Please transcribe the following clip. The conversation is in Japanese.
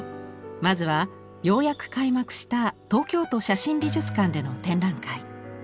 まずはようやく開幕した東京都写真美術館での展覧会。